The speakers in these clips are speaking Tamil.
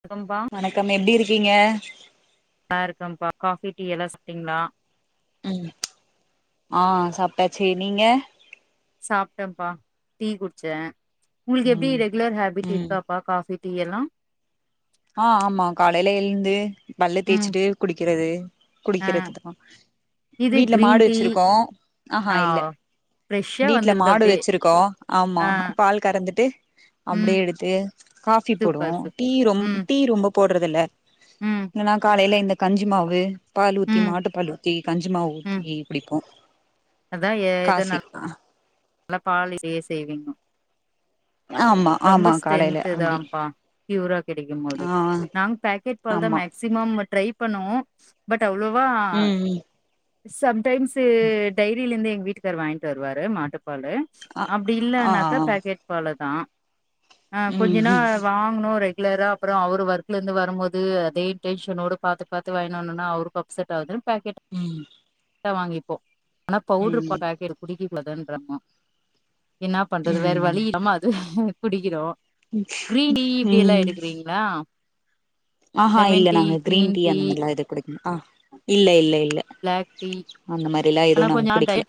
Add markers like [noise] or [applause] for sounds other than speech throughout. வணக்கம்பா வணக்கம் எப்டி இருக்கீங்க நல்லா இருக்கம்பா காஃபி டீ எல்லா சாப்ட்டீங்ளா ம் ஆ சாப்ட்டாச்சி நீங்க சாப்ட்டேன்ப்பா டீ குட்ச்சே உங்களுக்கு எப்டி ம் ரெகுலர் ஹேபிட் ம் இருக்கா ப்பா காஃபி டீ எல்லா ஆ ஆமா காலைல எழுந்து பல்ல ம் தேச்சுட்டு குடிக்கிறது ஆ குடிக்கிறதுதா இது வீட்ல கிரீன் மாடு டீ வெச்சிருக்கோ ஆஹா ஆ இல்ல ஃப்ரெஷ்ஷா வீட்ல வந்துருது மாடு அப்டியே வெச்சிருக்கோ ஆமா ஆ பால் கறந்துட்டு அப்டே ம் எடுத்து காஃபி போடுவோ சூப்பர் சூப் டீ ரொ ம் டீ ரொம்ப போட்றதில்ல ம் இல்லனா காலயில இந்த கஞ்சி மாவு பால் ஊத்தி ம் மாட்டு பால் ஊத்தி கஞ்சி மாவு ம் ஊத்தி குடிப்போ அதா எ காசி எதனாலு நல்லா பால [unintelligible] யே செய்வீங்கோ ஆமா ரொம்ப ஆமா காலைல ஸ்ட்ரென்த்து அப்டி தான்ப்பா பியூரா கெடைக்கும்மோது ஆ நாங்க பேக்கெட் பால்தா ஆமா மேக் சிமம் ட்ரை பண்ணுவோ பட் அவ்ளோவா ம் ம் சம்டைம்ஸு டைரியிலிந்து எங் வீட்டுக்காரு வாய்ன்ட்டு வருவாரு மாட்டுப்பாலு அ அப்டி ஆ இல்லனாக்கா பேக்கெட் பாலுதா ஆ கொஞ்ச ம் நா ம் வா ங்குனோ ரெகுலரா அப்புறோ அவரு ஒர்க்லந்து வரும்போது அதே டென்ஷனோடு பாத்து பாத்து வாய்ன் வன்னுனா அவருக்கு செட்தாவாதுன் பாக்கெ ம் தா வாங்கிப்போ ஆனா பவுட்ரு ம் பால் பாக்கெட்டி குடிக்க கூடாதுன்றாங்கோ என்ன பண்றது வேற ம் வழி இல்லாம அது குடிக்கிறோ க்ரீன் டீ இப்டியெல்லா ம் எடுக்குறீங் ளா ஆஹா இல்ல நாங்க கிரீன் டீ அந்த மாரிலா எது குடிக்க அ இல்ல இல்ல இல்ல பிளாக் டீ அந்த மாரிலா எதுவு நாங் குடிக்கில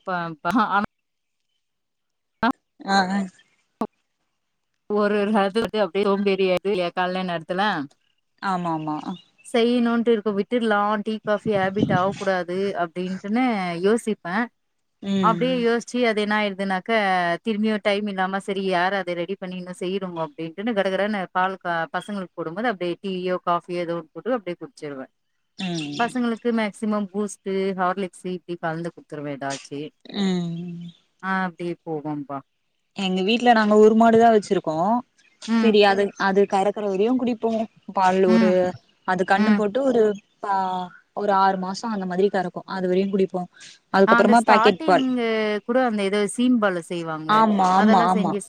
இப்ப ப ஆ அ அ ஒரு ஒரு காலத்துல வந்து அப்டியே சோம்பேறி ஆய்டுதில்லயா கால்ல நேரத்துல ஆமா ஆமா செய்யனுன்ட்டு இருக்க போய்ட் விட்டுற்லா டீ காபி ஹேபிட்டாவ கூடாது அப்டின்ட்டுனு யோசிப்பே ம் அப்டியே யோசிச்சு அது என்ன ஆயிருதுனாக்க திரும்பியு டைம் இல்லாம செரி யாரு அத ரெடி பண்ணி இன்னு செய்யுரோவ்ங்கோ அப்டின்ட்டுனு கடகடனு பால் க அ பசங்களுக்கு போடும்போது அப்டியே டீயோ காஃபியோ எதோ போட்டு அப்டே குட்ச்சிருவே ம் பசங்களுக்கு மேக்சிமம் பூஸ்ட்டு ஹார்லிக்ஸ் இப்டி கலந்து குட்த்துருவே எதாச்சு ம் ஆ அப்டி போகும்பா எங்க வீட்ல நாங்க ஒரு மாடுதா வெச்சிருக்கோ ம் செரி அது அது கறக்குற வரியு குடிப்போ பால் ஒரு ம் அது கன்னு ம் போட்டு ஒரு ஆ ஒரு ஆறு மாசொ அந்த மாதிரி கறக்கு அது வரையுங்குடிப்போ அந்த ஸ்டாட்டிங் கூடொ அந்த எதோ சீம்பாலஸ் செய்வாங்களே ஆமா ஆமா அதெல்லா ஆமா செஞ்சு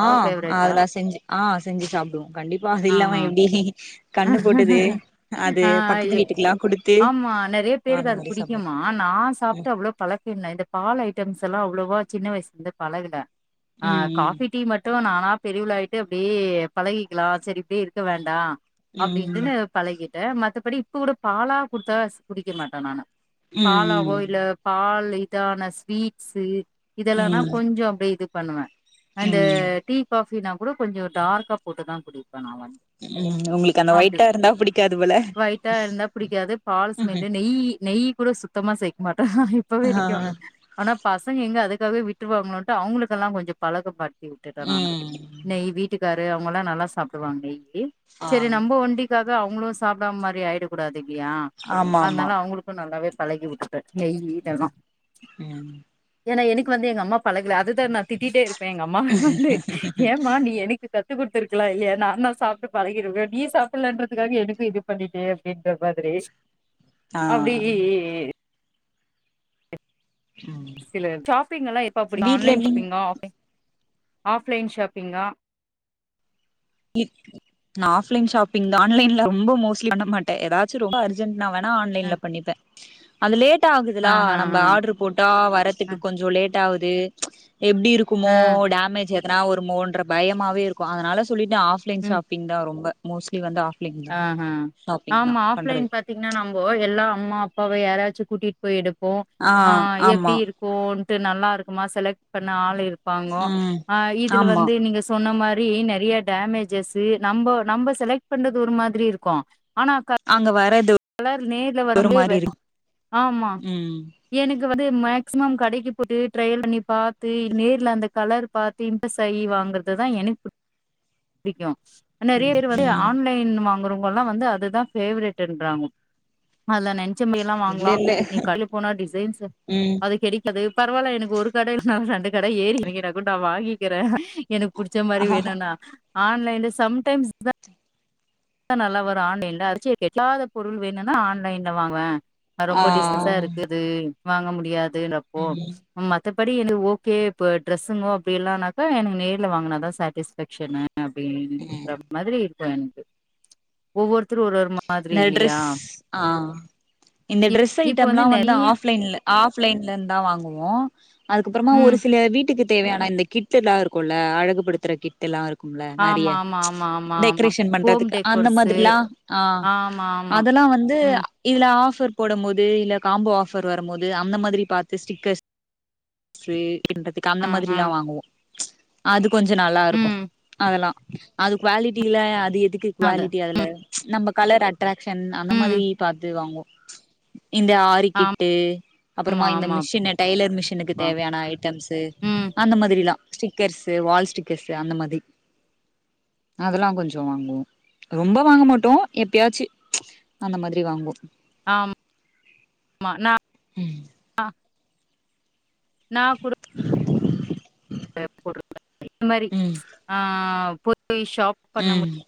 ஆ ஃபேவரெட்டா அதெல்லா செஞ்சு ஆ செஞ்சு சாப்பிடுவோ கண்டிப்பா அது ஆ இல்லாம எப்டி கண்ணு போட்டது அது ஆ ஆ பக்கத்து எ வீட்டுக்லா குடுத்து அந்த மாதிரி சாப்டுவோ ஆ நா சாப்டு அவ்ளோ பழக்கில்ல இந்த பால் ஐட்டம்ஸ் எல்லா அவ்ளவா சின்ன வயசுல இருந்து பழகல ஆ ம் ம் காஃபி டீ மட் டு நானா பெரியவளாய்ட்டு அப்டே பழகிக்கலா செரி இப்டியே இருக்க வேண்டா அப்டின்ட்டுனு ம் பழகிட்டே மத்தபடி இப்போ கூட பாலா குடுத்தா ஸ் குடிக்க மாட்ட நானு ம் பாலாவோ ம் இல்ல பால் இதான ஸ்வீட்ஸ்சு இதெல்லானா ம் கொஞ்சொ அப்டியே இது பண்ணுவ இந்த ம் ம் டீ காஃபினா கூடொ கொஞ்சொ டார்க்கா போட்டுதா குடிப்ப நா வந்து ம் ஒங்ளுக் அப்டி ஒய்ட்டா இருந்தா புடிக்காது பால் ஸ்மெல்லு நெய்யி நெய் கூட சுத் த்தமா சேக்மாட்ட இப்ப வெரிக்கு ஆ ஆனா பசங்க எங்க அதுக்காகவே விட்ருவாங்களோன்ட்டு அவங்களுக்கெல்லா கொஞ்சொ பழக்க படுத்தி விட்டுட்ட நானு ம் நெய் வீட்டுக்காரு அவங்கல்லா நல்லா சாப்டுவாங்க நெய்யி ஆ செரி நம்ம ஒண்டி க்காது அவங்களு சாப்டாம மாரி ஆயிட கூடாது இல்லியா ஆமா ஆமா அதனால அவங்களுக்கு நல்லாவே பழகி விட்ட த நெய்யி இதெல்லா ம் ஏனா எனக்கு வந்து எங்க அம்மா பழகல அதுதா நா திட்டிட்டே இருப் ப எங்க அம்மாட்ட வந்து ஏம்மா நீ எனக்கு கத்து குடுத்துருக்லா இல்லியா நானு சாப்ட்டு பழகி இருல நீ சாப்புட்லன்றதுக்காக எனக்கு இது பண்ணிட்டே அப்டின்ற மாதிரி ஆ அப்டி இ இ இ ம் சில ஷாப்பிங் எல்லா எப்ப புடிக்கு வீட்ல ஆன்லைன் நீங் ஷாப்பிங்கா ஆஃப்லைன் ஆஃப்லைன் ஷாப்பிங்கா நா ஆஃப்லைன் ஷாப்பிங்தா ஆன்லைன்ல ரொம்ப மோஸ்ட்லி பண்ண மாட்ட எதாச்சொ ரொம்ப அர்ஜ் என்ன வேனா ஆ ஆன்லைன்ல பண்ணிப்ப அது லேட்டா ஆ ஆகுதுலா ஆ நம்ப ஆட்ரு போட்டா ஆ வரதுக்கு கொஞ்சொ லேட் ஆவுது எப்டி இருக்குமோ ஆ டேமேஜ் என்னா வருமோன்ற பயமாவே இருக்கு அதனால சொல்லிட்ட ஆஃப் லைன் ம் ஷாப்பி்ங்தா ரொம்ப மோஸ்ட்லி வந்து ஆஃப் ஆமா ஆஃப்லைன் பத் பாத்தீங்னா நம்போ எல்லா அம்மா அப்பாவ யாராச்சு கூட்டிட் போய் எடுப்போ ஆ ஆமா எப்டி இரு கோன்ட்டு நல்லா இருக்குமா செலக்ட் பண்ண ஆள் இருப்பாங்கோ ம் ஆ இதுல ஆமா வந்து நீங்க செ சொன்ன மாரி நறிய டேமேஜஸ்சு நம்பொ நம்ப செலக்ட் பண்றது ஒரு மாதிரி இருக்கு ஆனா க அங்க வர்றது எல்லார்நேர்ல ஒரு மாரி வரும்டியவே இருக்கு ஆமா ம் எனக்கு வந்து மேக்சிமம் கடைக்கு போட்டு ட்ரையல் பண்ணி பாத்து நேர்ல அந்த கலர் பாத் திம்ப சை வாங்கறதுதா எனக்கு புடிக்கு நெறையா பேர் வந்து ம் ஆன்லைன் வாங்குறவங்கல்லா வந்து அதுதா ஃபேவரட் டாம அதுல நென்ச்சப்டியெல்லா இல்ல வாங்குளா இல்ல நீ கட்லு போனா டிசைன்ஸு ம் அது கெடி அது பரவால்ல எனக்கு ஒரு கட இல்னா ரெண்டு கட ஏறி எறங்கினா கூட் நான் வாங்கிக்கிறே எனக்கு புடிச்ச மாரி ஆ வேணுனா ஆன்லைன்ல சம்டைம்ஸ் தா நல்லா வரு ஆன்லைன்ல அச்சு இல்லாத பொருள் வேணுனா ஆன்லைன்ல வாங்குவே ரொம்ப ஆ டிஸ்டன்ஸா இருக் க்குது வாங்க முடியாதுன்றப்போ ம் மத்தபடி எனக்கு ஓகே இப்போ டிரெஸ்ஸுங்கோ அப்டி இல்லானாக்கா எனக்கு நேர்ல வாங்குனாதா சாட்டிஸ்ஃபேக்ஷனு அப்டி ம் இந்த மாதிரி இருக்கு எனக்கு ஒவ்வொருத்தரு ஒரு ஒரு மாதிரி இந்த டிரஸ் இல்லையா ஆ இந்த டிரஸ் இப்ப ஐட்டம்ல்லா வந்து நெறைய ஆஃப்லைன்ல ஆஃப்லைன்ல இருந்தா வாங்குவோ அதுக்கப்புறமா ம் ஒரு சில வீட்டுக்கு தேவையான இந்த கிட் டெல்லா இருக்குல அழகுபடுத்துற கிட்டெல்லா இருக் கும்ல நறைய ஆமா ஆமா ஆமா ஆமா ஆமா. டெக்ரேஷன் ஹோம் பண்றதுக்கு அந்த டெக்கோர்ஸு மாதிரிலா ஆ ஆமா ஆமா. அதெல்லா வந்து ம். இதுல ஆஃபர் போடும் போது இல்ல காம்போ ஆஃபர் வரு போது அந்த மாதிரி பாத்து ஸ்டிக்கர்ஸ் சீ இந்த இதுக்கு அந்த ம், மாதிரில்லா ம், வாங்குவோ அது கொஞ்ச நல்லா இருக்கு ம். அதெல்லா அது குவாலிட்டில அது எதுக்கு அது. குவாலிட்டி அதுல நம்ம கலர் அட்ராக்ஷன் அந்த ம். மாதிரி பாத்து வாங்குவோ இந்த ஆரி கிட்டு ஆமா அப்புறமா இந்த ஆமாப்பா. மிஷின் டைய்லர் மிஷினுக்கு தேவையான ஐட்டம்ஸு ம். அந்த மாதிரிலா ஸ்டிக்கர்ஸு வால் ஸ்டிக்கர்ஸ் அந்த மாதி அதெல்லா கொஞ்சஃ வாங்குவோ ரொம்ப வாங்க மாட்டோ எப்பயாச்சு அந்த மாதிரி வாங்குவோ ஆம் மா நா ம் நா கூடோ போ போட்ருக்கு இந் மாரி ம் ஆ போயி ஷாப் பண்ண ம்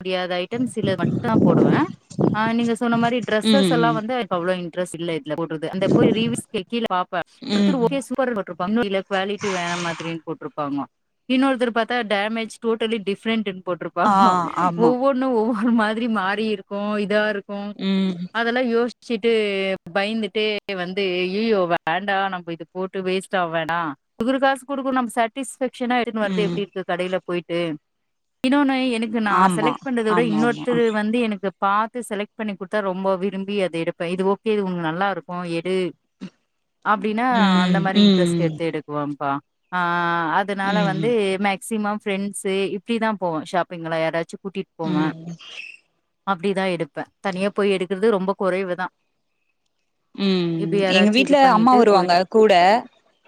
முடியாத ஐட்டம்ஸுல மட்டு தா போடுவே அ நீங்க சொன்ன மாரி டிரெஸ்ஸஸெல்லா ம் வந்து அவ்ளோ இன்டரெஸ் இல்ல இதுல போட்றது அந்த போய் ரிவ்யூஸ்கு கீழ பாப்பா ம் ஒருத்தர் ம் ஓகே சூப்பர் ட்ரு பண்ணுல குவாலிட்டி வேற மாதிரின்னு போட்ருப்பாங்க இன்னொருத்தர் பாத்த டேமேஜ் டோட்டலி டிஃப்ரண்டுன் போட்ருப் ஆ ஆமா ஒவ்வொன்னு ஒவ்வொரு மாரி மாறி இருக்கு இதா இருக்கு ம் அ அதெல்லா யோச்சுட்டு பயந்துட்டு வந்து ஐயயோ வேண்டா நம்ம இது போட்டு வேஸ்ட் ஆ வேண்டா குகுற காசு குடுக்கு நம் சேட் டிஸ்ஃபேக்ஷனா எதுன்னு வருது ம் எப்டி இருக்கு கடையில போயிட்டு இன்னொன்னு எனக் கு நா ஆமா செலக்ட் பண்றத விட ஆமா ஆமா இன்னொருத்தர் வந்து எனக்கு பாத்து செலக்ட் பண்ணி குத்தா ரொம்ப விரும்பி அது எடுப்பே இது ஓகே இது உங்க நல்லா இருக்கு எடு அப்டின்னா அந்த ம் மாரி இன்ட்ரெஸ்ட் ம் எடுத்து எடுக்குவாப்பா ஆ அ அதுனால ம் வந்து மேக்சிமம் ஃபிரெண்ட்ஸு இப்டி தா போவ ஷாப்பிங்கலா யாராச்சு கூட்டிட் ம் அப்டிதா எடுப்பே தனியா போய் எடுக்கிறது ரொம்ப கொறைவுதா ம் எங்க வீட்ல இது அம்மா பண்ணிட்டு வருவாங்க போயிட்டு கூட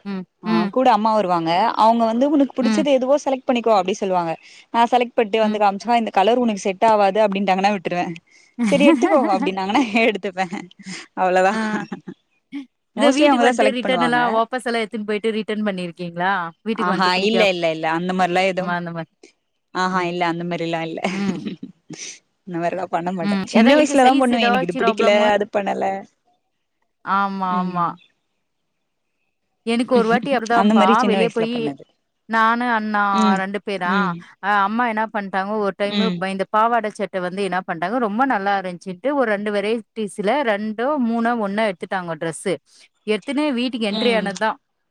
ம் ஆ ம், கூட அம்மா வருவாங்க அவங்க வந்து உனக்கு ம், புடிச்சது எதுவோ செலக்ட் பண்ணிக்கோ அப்டி சொல்லுவாங்க நா செலக்பன்ட்டு வந்து ம். காமிச்சா இந்த கலர் உனக்கு செட் ஆவாது அப்டின்ட்டாங்க விட்டுருவே சரி எடுத்துக்கோ அப்டின்னாங்கன்னா எடுத்துப்பே அவ்ளதா ஆ மோஸ்ட்லி அவங்கதா செலக்ட் பண்ணுவாங்க திம் பொய்ட்டு ரிட்டர்ன் பண்ணிருக்கீங்களா ஆ வீட்டுக்கு ஹ வந்துட்டு இல்ல பிடிக்கா இல்ல இல்ல அந்த மாரிலா எதுவு ஆமா அந்த மாரி ஆ ஹ ம் இல்ல அந்த மேரிலா இல்ல ம் இந்த மாரிலா பண்ண மாட்ட ம் அதா சின்ன எனக்கு வயசுலதா சைஸ் பண்ணுவ எனக்கு ஏதாச்சு இது புடிக்கல ப்ராப்ளமு அது பண்ணல ஆமா ஆமா ம் எனக்கு ஒரு வாட்டி அந்த அப்டிதாம்பா மாரி சின்ன வெளிய வயசுல போயி பண்ணது நானு அண்ணா ம் ரெண்டு பேரா ம் ஆ அம்மா என்னா பண்ட்டாங்க ஒரு டைமு ம் ப இந்த பாவாட சட் து வந்து என்னா பண்டாங்க ரொம்ப நல்லா இருன்சுன்டு ஒரு ரெண்டு வெரைட்டிஸ்ல ரெண்டோ மூனோ ஒன்னோ எட் எத்துட்டாங்க டிரெஸ்ஸு எடுத்துனே வீட்டுக்கு என்ட்ரி ம் ஆனதுதா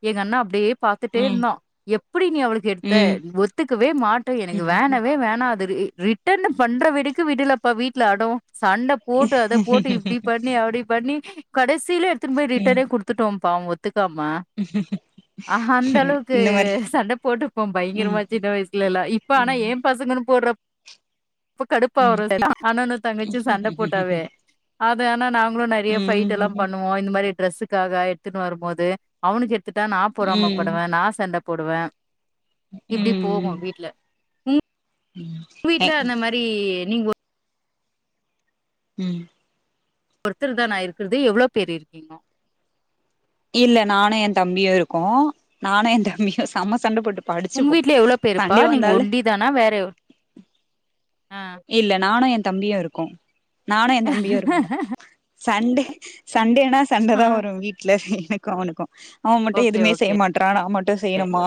எங்க அண்ணா அப்டியே பாத்துட்டே ம் இருந்தான் எப்டி நீ அவளுக்கு எடுத்த ஒத்துக்கவே மாட்டே எனக்கு ம் வேணவே வேணா அது ரிட் டன்னு பண்ற வரைக்கு விடலப்பா வீட்ல அடோ சண்ட போட்டு அதை போட்டு இப்டி பண்ணி அப்டி பண்ணி கடைசில எடுத்துட்டு போய் ரிட்டர்னே குடுத் துட்டோம்ப்பா ஒத்துக்காம ஹ் ஹ் ம் ஆ ஹா அந்த அளவுக்கு இந்த மாரி சண்ட போட்டுப்போ ம் பயங்கரமா சின்ன வயசுல எல்லா இப்ப ஆனா ம் ஏன் பசங்கன்னு போட்றப் போ கடுப்பா ம் வரு அண்ணன்னு ம் ம் தங்கச்சியு சண்டை போட்டாவே அது ஆனா நாங்களு நிறையா ம் ஃபைட் எல்லா பண்ணுவோ வோம் இந்த மாதிரி டிரஸுக்காக எடுத்துன்ட்டு வரும்போது அவனுக்கு எடுத்துட்டா நா ம் பொறாமப்படுவே நா சண்ட போடுவே இப்டி போகு வீட்ல ம் உங்க வீட்ல அந்த மாதிரி நீங்க ஒரு- ம் ஒருத்தர் தான்னா இருக்கறது எவ்ளோ பேரு இருக்கீங்கோ இல்ல நானு என் தம்பியு இருக்கோ நானு என் தம்பியு செம்ம சண்ட போட்டுப் உங் வீட்ல எவ்ளோ பேருப்பா நீங்க ஒண்டி தானா வேற ஆ இல்ல நானும் என் தம்பியு இருக்கோ நானும் என் தம்பியு இருப்போ சண்டே சண்டேனா சண்டே ஆ. தா வரு வீட்ல எனக்கு அவனுக்கும் அவன் மட்டும் ஓகே, எதுவுமே செய்ய ஓகே. மாட்றா நா மட்டு செய்யணுமா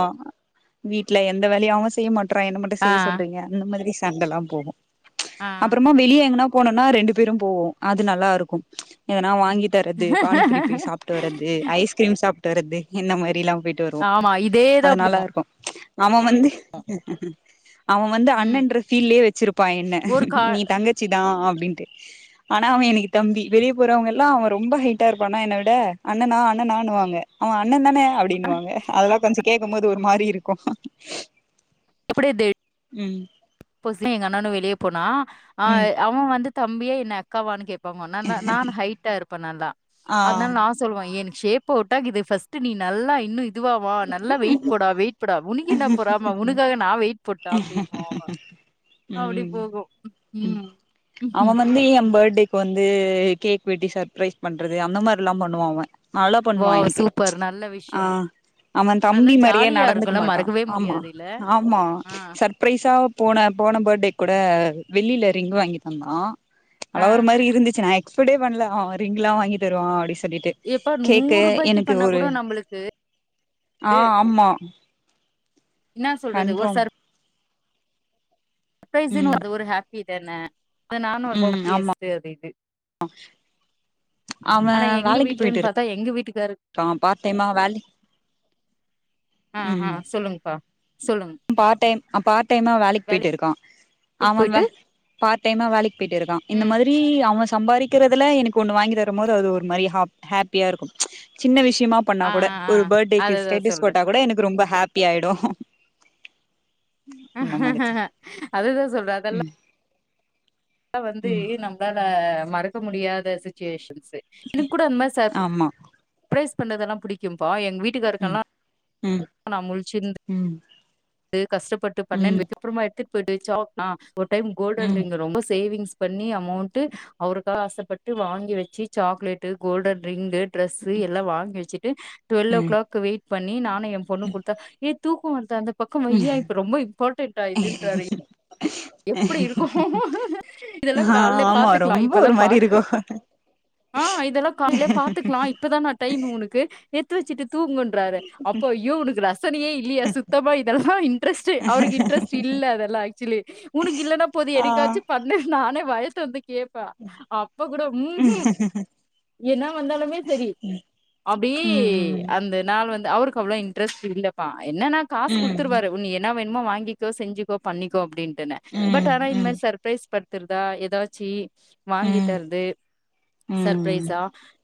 வீட்ல எந்த வேலையு அவன் செய்ய மாட் றான் என்ன மட்டும் ஆ, செய்ய சொல்றீங்க அந்த மாதிரி சண்டை எல்லா போகும் ஆ. அப்றமா வெளியே எங்கனா போனோம்னா ரெண்டு பேரு போவோ அது நல்லா இருக்கும் எதன்னா வாங்கி தர்ரது பாானிபுரி போய் சாப்பிட்டு வரது ஐஸ்கிரீம் சாப்பிட்டு வர்து இந்த மாதிரிலா போயிட்டு போய்ட்டு வருவோ ஆமா இதேதா அது நல்லா போகு இருக்கும் அவன் வந்து அவன் வந்து ம் அண்ணன்ற பீல்யே வச்சிரு ப்பா என்ன ஒரு கா நீ தங்கச்சிதா அப்டின்ட்டு ஆனா அவன் எனக்கு தம்பி வெளியே போறவங்க எல்லா அவன் ரொம்ப ஹைட்டா இருப்பானா என்னை விட அண்ணனா அண்ணனான்னு வாங்க அவன் அண்ண தான அப்படின்னுுவாங்க அதெல்லா கொஞ்சோ கேட்கும் போது ஒரு மாறி இருக்கும் எப்டி டேட் ம் புதுசுல எங்க அண்ணன்னு வெளியே போனா ஆ ம் அவன் வந்து தம்பியா என்ன அக்காவானு கேப்பாங்க ந ந நா ஹைட்டா இருப்பே நல்லா ஆ அதனால நா சொல்லுவா எனக்கு ஷேப்ப உட்டா இது பர்ஸ்ட் நீ நல்லா இன்னு இதுவா வா நல்லா வெயிட் போடா வெயிட் போடா உனக் என்ன பொறாம உனக்காக நா வெயிட் போட்டா அப்டின்னுமா அவன் ம் ம் ம் அவன் வந்து ஏ பர்த்டே இப்ப வந்து கேக் வெட்டி சர்பரைஸ் பண்றது அந்த மாறிலா பண்ணுவா அவன் அலோ பண்ணுவா வாவ் எனக்கு சூப்பர் நல்ல ஆ விஷயோ அவன் அதெல்லா தம்பி மாறியே ஜாலியா நடந்துக்க இருக்குல்ல மாட்டான் மறக்கவே ஆமா முடியாது இல்ல ஆமா ஆ சப் சப்ரைஸா போன போன பர்த்டே கூட வெள்ளியில ரிங்க் வாங்கி தந்தான் ஆ அதெல்லா ஒரு மாறி இருந்துச்சு நா எக்ஸ்பட்டே பண்ணல அவன் ரிங் லா வாங்கி தருவான் அப்டி சொல்லிட்டு எப்பா கேக்கு நூறு ரூபாய்க்கு எனக்கு பண்ணா ஒரு கூட நம்மளுக்கு ஆ ஆமா என்னா சொல்றது ஒரு கன்ஃபார்ம் சர் சப்ரைஸ்ன் ம் அது ஒரு ஹேப்பி தான அது நானு ஒரு ஹோப்பியஸ்ஸு அப்டின்ட்டு ஆ அவன் எங்க வேலைக்கு போயிட்டு வீட்லன்னு பாத்தா எங்க வீட்டுக்காரு இருக்கா பார்ட் டைமா வேலை ஆ ஆ சொல்லுங்கப்பா சொல்லுங்க பாட் டைம் பாட் டைமா வேலைக்கு போயிட்டு இருக்கா வேலைக்கு ஆமாவ போயிட்டு பாட் டைமா வேலைக்கு போயிட்டு இருக்கா இந்த ம் மாதி ரி அவ சம்பாரிக்கிறதுல எனக்கு ஒண்ணு வாங்கி தரும் போது அது ஒரு மாரி ஹா ஹப்பியா இருக்கு சின்ன விஷயமா பண்ணா ஆ கூட ஆ ஒரு பர்டேக்கு அதுதா ஸ்டேட்டஸ் சொல்றே போட்டா கூட எனக்கு ரொம்ப ஹப்பி ஆயிடு அந்த மாதிரி அதுதா சொல்ற அதெல்லா ம் வந்து ம் நம்பளால மறக்க முடியாத சுச்சுவேஷன்ஸ் என்னு கூட அந்த மாதிரி சர் ஆமா சப்ரைஸ் பண்ணதெல்லா புடிக்கும்பா எங்க ம் வீட்டுக்காருக்கெல்லா ம் நா முழிச்சுருந் ம் து கஷ்டப்பட்டு பண்ண ம் வப்புறமா எடுத்துட்டு போயிட்டு வச்சா ஒரு டைம் கோல்டன் ம் ரிங்கு ரொம்ப சேவிங்ஸ் பண்ணி அமௌண்டு அவருக்காக ஆசப்பட் வாங்கி வச்சு சாக்லேட்டு கோல்டன் ரிங்கு ட்ரெஸ் எல்லா வாங்கி வச்சுட்டு டுவெல் ஓ ம் கிளாக் வெயிட் பண்ணி நானு எ பொண்ணு கொடுத்த ஏ தூக்கம் வருது அந்த பக்க ம் வைய இப்ப ரொம்ப இம்பார்டண்டா இதுன்றாரு [unintelligible] எப்டி இருக்கு இதெல்லா ஆ கால்ல ஆமா பாத்துக்கலா ரொம்ப இப்பல்லா ஒரு பா மாரி இருக்கு ஆ இதெல்லா காலையிலயே பாத்துக்கலா இப்பதான டைம் உனக்கு எடுத்து வச்சிட்டு தூங்கு ன்றாரு அப்ப யோ உனக்கு ரசனையே இல்லையா சுத்தமா இததா இன்ரஸ்ட் அவருக்கு இன்ரெஸ் இல்ல அதெல்லா ஆக்சுலி உனக்கு இல்லன்னா போது ஆ எனக்காச்சு பண்னு நானே வாய தொறந்து கேப்பா அப்ப கூட ம்ஹூம் என்ன வந்தாலுமே சரி அப்டி ம் ம் அந்த நாள் வந்து அவருக்கு அவ்ள இன்ரெஸ்ட் இல்லப்பா என்னனா ம் காசு ம் குடுத்துருவாரு உன்ன என்னா வேணுமோ வாங்கிக்கோ செஞ்சுகோ பண்ணிக்கோ அப்டின்ட்டுனு பட் ம் ஆனா இந்த மாதி சர்ப்ரைஸ் பண் த்துதா ஏதாச்சு வாங்கி ம் தருது சர்பிரைஸா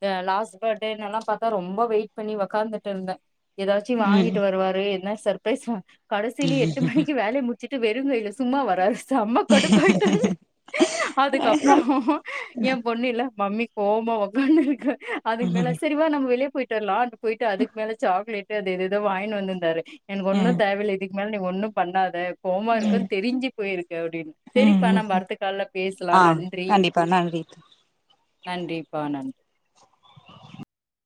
அ லாஸ்ட் பர்த்டேலலா பாத்தா ரொம்ப வெயிட் பண்ணி ஒக்காந்துட்டு இருந்தே ஏதாச்சு ம் வாங்கிட்டு வருவாரு எதுனா சர்ப்ரைஸ் கடைசில எட்டு மணிக்கு வேலைய முட் சிட்டு வெறுங்கைல சும்மா வராருச்சு செம்ம கடுப்பாயிட்ட அதுக்கு அப்புற எ பொண்ணு இல்ல மம்மி கோவமா ஒக்கான்னு இருக்கு அதுக்கு ம் மேலே ம் சரிவா நம் வெளிய போயிட்டு வரலா அன்ட்டு போயிட்டு அதுக்கு மேல சாக்லேட் அது எதுதோ வாங்கிட்டு வந்தாரு எனக்கு ஒன்னு ம் தேவயில்ல இதுக்கு மேல நீங்க ஒன்னு பண்ணாத கோவமா இருக்குனு தெரிஞ்சு போயிருக்கு அப்டின் சரிப்பா நம்ப ம் அடுத்த கால பேசலா ஆ நன்றி கண்டிப்பா நன்றி நன்றிப்பா நன்றி